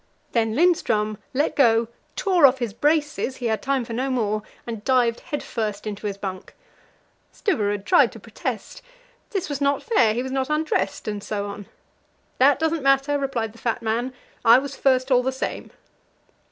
Then Lindström let go, tore off his braces he had no time for more and dived head first into his bunk. Stubberud tried to protest; this was not fair, he was not undressed, and so on. "That doesn't matter," replied the fat man; "I was first, all the same."